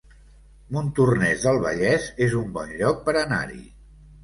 Montornès del Vallès es un bon lloc per anar-hi